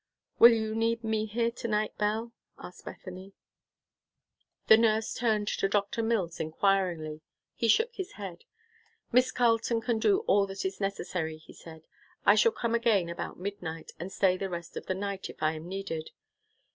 "Will you need me here to night, Belle?" asked Bethany. The nurse turned to Dr. Mills inquiringly. He shook his head. "Miss Carleton can do all that is necessary," he said. "I shall come again about midnight, and stay the rest of the night, if I am needed.